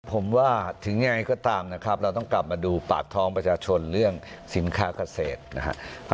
ผมว่าถึงยังไงก็ตามนะครับเราต้องกลับมาดูปากท้องประชาชนเรื่องสินค้าเกษตรนะครับ